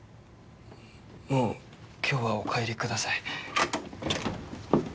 もう今日はお帰りください